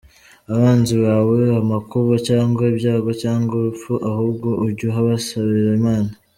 abanzi bawe amakuba cyangwa ibyago cyangwa urupfu ahubwo ujyubasabira Imana.